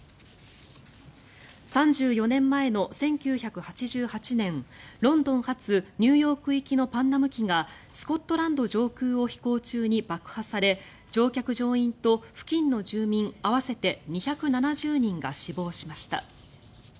３４年前の１９８８年ロンドン発ニューヨーク行きのパンナム機がスコットランド上空を飛行中に爆破され乗客・乗員と付近の住民合わせて２７０人が死亡しました。